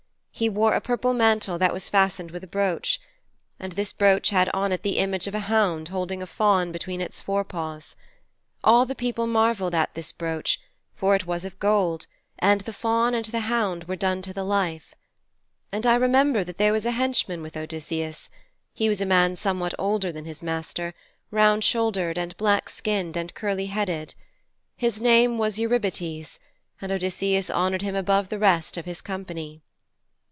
He wore a purple mantle that was fastened with a brooch. And this brooch had on it the image of a hound holding a fawn between its fore paws. All the people marvelled at this brooch, for it was of gold, and the fawn and the hound were done to the life. And I remember that there was a henchman with Odysseus he was a man somewhat older than his master, round shouldered and black skinned and curly headed. His name was Eurybates, and Odysseus honoured him above the rest of his company.'